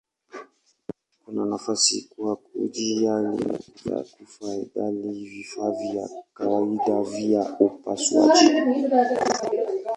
Kuna nafasi kwa ajili ya kuhifadhi vifaa vya kawaida vya upasuaji.